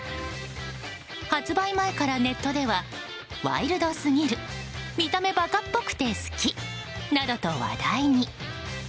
発売前からネットではワイルドすぎる見た目バカっぽくて好きなどと話題に。